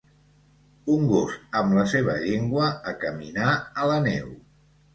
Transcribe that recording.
Un gos amb la seva llengua a caminar a la neu.